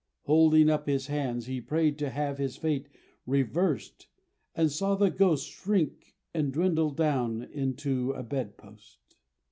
Holding up his hands he prayed to have his fate reversed and saw the Ghost shrink and dwindle down into a bedpost.)